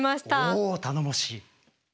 おお頼もしい。